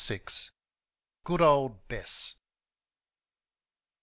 Good Old Bess.